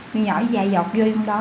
rồi nhỏ dài dọc vô trong đó